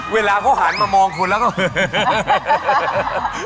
เวลาเขาหันมามองคุณแล้วก็